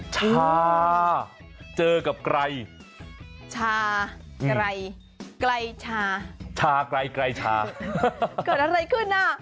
ชาเจอกับไกรชาไกลไกลชาชาไกลไกลชาเกิดอะไรขึ้นน่ะ